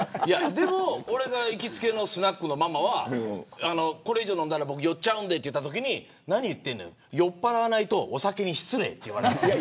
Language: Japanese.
でも俺が行きつけのスナックのママはこれ以上飲んだら酔っちゃうんでと言ったときに酔っぱらわないとお酒に失礼って。